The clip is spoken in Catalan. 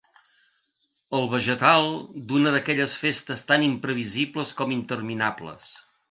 El vegetal d'una d'aquelles festes tan imprevisibles com interminables.